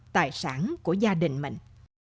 tài sản của gia đình mình